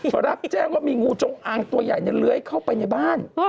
พอรับแจ้งว่ามีงูจงอางตัวใหญ่เลื้อยเข้าไปในบ้าน